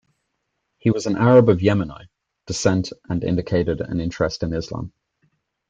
He was an Arab of Yemeni descent and indicated an interest in Islam.